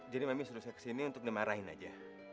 jadi mami suruh saya kesini untuk dimarahin aja